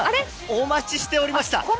お待ちしておりました。